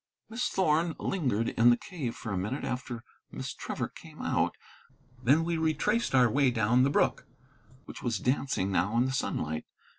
Miss Thorn lingered in the cave for a minute after Miss Trevor came out. Then we retraced our way down the brook, which was dancing now in the sunlight.